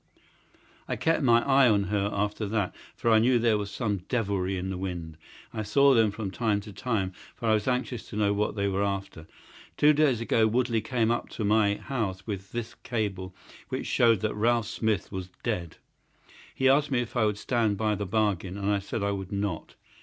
I kept my eye on her after that, for I knew there was some devilry in the wind. I saw them from time to time, for I was anxious to know what they were after. Two days ago Woodley came up to my house with this cable, which showed that Ralph Smith was dead. He asked me if I would stand by the bargain. I said I would not.